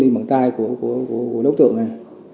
đi bằng tay của đấu tượng này